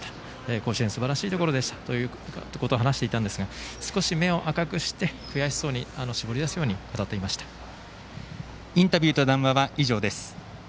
甲子園、すばらしいところでしたということを話していたんですが少し目を赤くして悔しそうに絞り出すようにインタビューと談話は以上です。